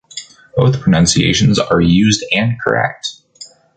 Both pronunciations are used and correct.